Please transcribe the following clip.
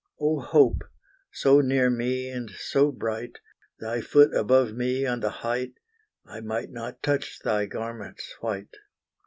O Hope! so near me and so bright, Thy foot above me on the height, I might not touch thy garments white.